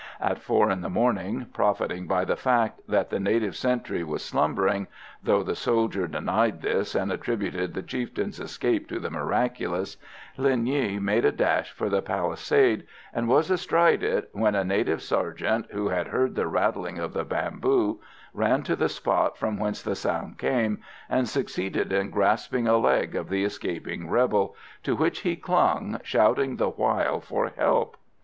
At four in the morning, profiting by the fact that the native sentry was slumbering though the soldier denied this, and attributed the chieftain's escape to the miraculous Linh Nghi made a dash for the palisade, and was astride it, when a native sergeant, who had heard the rattling of the bamboo, ran to the spot from whence the sound came, and succeeded in grasping a leg of the escaping rebel, to which he clung, shouting the while for help.